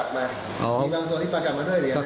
แทนเหรียญบางส่วนที่มากลับมา